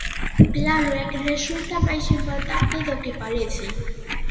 Claro, é que resulta máis importante do que parece.